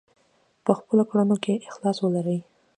په خپلو کړنو کې اخلاص ولرئ.